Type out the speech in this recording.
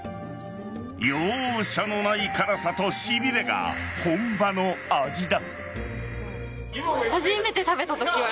容赦のない辛さとしびれが本場の味だ。